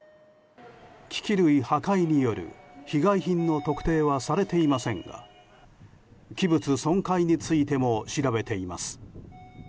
機器類破壊による被害品の特定はされていませんが器物損壊についても調べています。